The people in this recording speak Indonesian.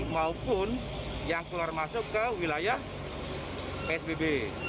maupun yang keluar masuk ke wilayah psbb